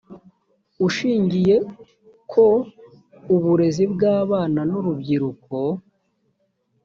ushingiye ko uburezi bw abana n urubyiruko